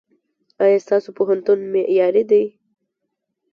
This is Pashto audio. ایا ستاسو پوهنتون معیاري دی؟